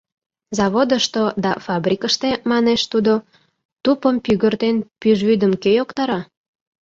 — Заводышто да фабрикыште, — манеш тудо, — тупым пӱгыртен, пӱжвӱдым кӧ йоктара?